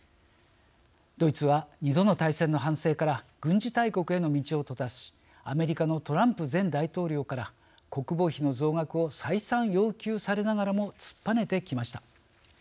ドイツは２度の大戦の反省から軍事大国への道を閉ざしアメリカのトランプ前大統領から国防費の増額を再三要求されながらも突っぱねてきました。